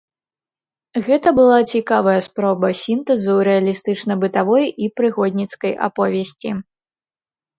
Гэта была цікавая спроба сінтэзу рэалістычна-бытавой і прыгодніцкай аповесці.